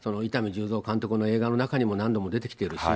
じゅうぞう監督の映画の中にも何度も出てきてるし、